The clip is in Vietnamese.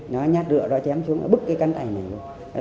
nó nhát rựa đó chém xuống bắt cái cánh tay này lên